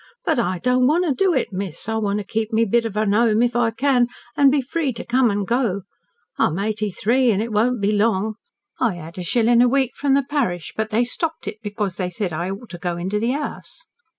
But I don't want to do it, miss. I want to keep my bit of a 'ome if I can, an' be free to come an' go. I'm eighty three, an' it won't be long. I 'ad a shilling a week from the parish, but they stopped it because they said I ought to go into the 'Ouse.'"